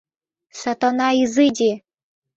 Сатана изыди.